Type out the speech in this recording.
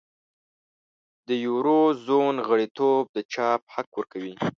د یورو زون غړیتوب د چاپ حق ورکوي.